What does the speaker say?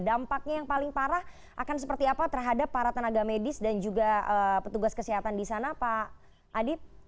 dampaknya yang paling parah akan seperti apa terhadap para tenaga medis dan juga petugas kesehatan di sana pak adip